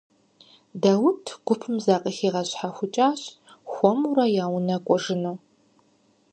Даут гупым закъыхигъэщхьэхукӀащ, хуэмурэ я унэ кӀуэжыну.